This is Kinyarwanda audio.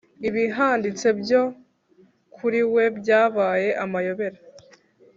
ibihanditse byo kuriwe byabaye amayobera